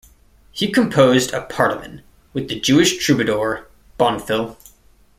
He composed a "partimen" with the Jewish troubadour Bonfilh.